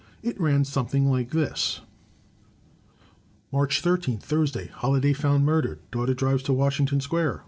It ran something like this: March 13, Thursday — Holladay found murdered; daughter drives to Washington Square.